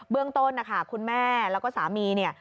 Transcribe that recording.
เบื้องต้นคุณแม่แล้วก็สามี